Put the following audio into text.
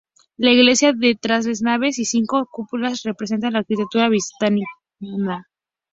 La iglesia de tres naves y cinco cúpulas representa la arquitectura bizantina.